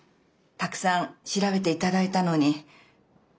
たくさん調べていただいたのに。